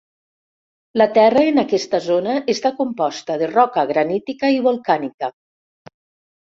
La terra en aquesta zona està composta de roca granítica i volcànica.